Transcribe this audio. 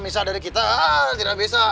misal dari kita tidak bisa